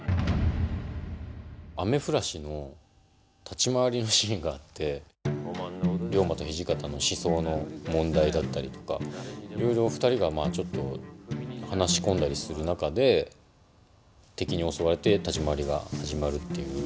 今回の設定は、もちろん龍馬と土方の思想の問題だったりとかいろいろ２人がちょっと話し込んだりする中で敵に襲われて立ち回りが始まるっていう。